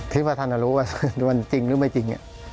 คิดว่าท่านจะรู้ว่ามันจริงหรือไม่จริง